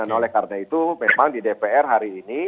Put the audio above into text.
dan karena itu memang di dpr hari ini